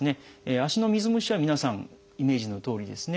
足の水虫は皆さんイメージのとおりですね